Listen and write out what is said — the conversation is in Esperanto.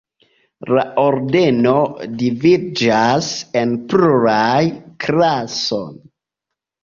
La Ordeno dividiĝas en pluraj klasoj.